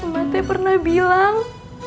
mbak teh pernah bilang